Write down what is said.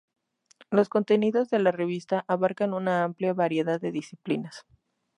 Los contenidos de la revista abarcan una amplia variedad de disciplinas.